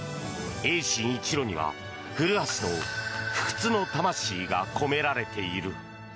泳心一路には、古橋の不屈の魂が込められている。